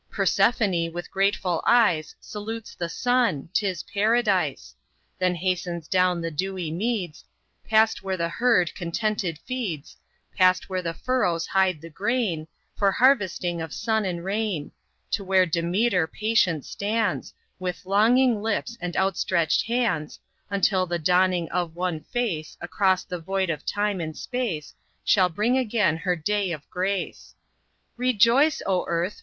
Persephone with grateful eyes Salutes the Sun—'tis Paradise: Then hastens down the dewy meads, Past where the herd contented feeds, Past where the furrows hide the grain, For harvesting of sun and rain; To where Demeter patient stands With longing lips and outstretched hands, Until the dawning of one face Across the void of time and space Shall bring again her day of grace. Rejoice, O Earth!